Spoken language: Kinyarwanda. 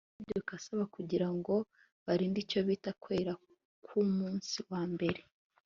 amategeko asaba kugira ngo barinde icyo bita kwera kwumunsi wa mbere